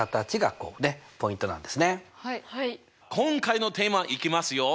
今回のテーマいきますよ。